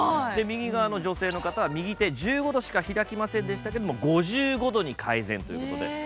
右側の女性の方は右手１５度しか開きませんでしたけども５５度に改善ということで。